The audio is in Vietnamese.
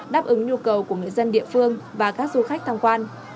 đáp ứng nhu cầu của người dân địa phương và các du khách tham quan